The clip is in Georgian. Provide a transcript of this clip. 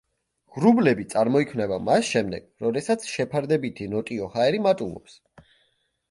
ღრუბლები წარმოიქმნება მას შემდეგ, როდესაც შეფარდებითი ნოტიო ჰაერი მატულობს.